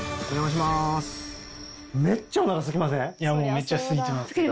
めっちゃすいてます。